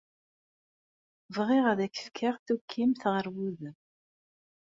Bɣiɣ ad ak-fkeɣ tukkimt ɣer wudem.